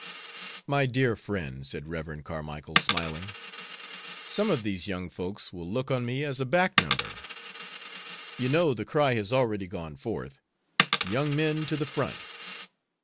"My dear friend," said Rev. Carmicle, smiling, "some of these young folks will look on me as a back number. You know the cry has already gone forth, 'Young men to the front.'"